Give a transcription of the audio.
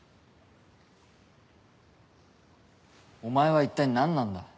お前は一体何なんだ？